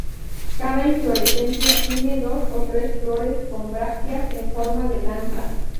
Cada inflorescencia tiene dos o tres flores con brácteas en forma de lanza.